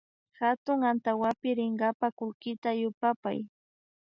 Hatun antawapi rinkapa kullkita yupapay